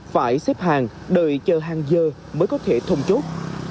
phải xếp hàng đợi chờ hàng giờ mới có thể thông chốt